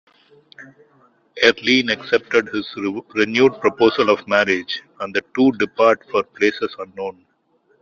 Erlynne accepts his renewed proposal of marriage and the two depart for places unknown.